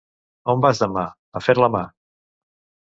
On vas demà? —A fer la mà.